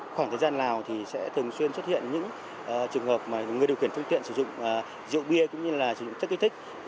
khoảng thời gian nào thì sẽ thường xuyên xuất hiện những trường hợp mà người điều khiển phương tiện sử dụng rượu bia cũng như là sử dụng chất kích thích